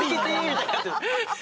みたいになってる。